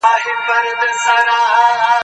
ايا ته سبزیجات وچوې